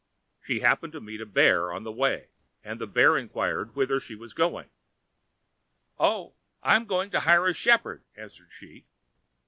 She happened to meet a bear on the way, and the bear inquired whither she was going. "Oh, I'm going to hire a shepherd," answered she.